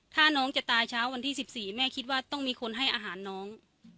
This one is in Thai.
ถ้าน้องจะตายเช้าวันที่๑๔แม่คิดว่าต้องมีคนให้อาหารน้อง